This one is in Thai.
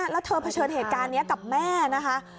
แล้วเธอเผชิญเหตุการณ์นี้กับแม่นะคะ